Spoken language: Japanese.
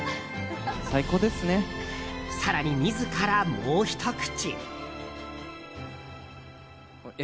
更に自ら、もうひと口。